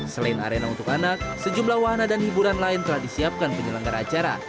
selain arena untuk anak sejumlah wahana dan hiburan lain telah disiapkan penyelenggara acara